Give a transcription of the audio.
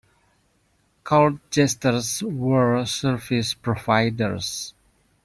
Court jesters were service providers.